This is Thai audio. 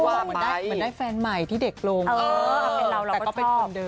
เหมือนได้แฟนใหม่ที่เด็กลง